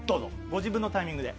ご自分のタイミングで。